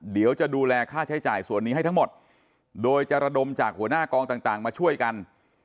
เดี๋ยวจะดูแลค่าใช้จ่ายส่วนนี้ให้ทั้งหมดโดยจะระดมจากหัวหน้ากองต่างมาช่วยกัน